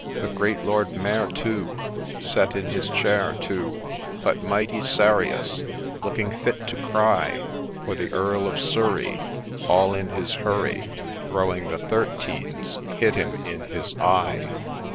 The great Lord May'r, too, sat in his chair, too, But mighty sarious, looking fit to cry, For the Earl of Surrey, all hi his hurry, Throwing the thirteens, hit him in his eye.